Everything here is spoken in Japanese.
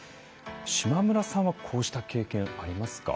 志磨村さんはこうした経験ありますか？